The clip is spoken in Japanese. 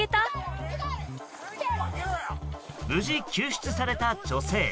無事、救出された女性。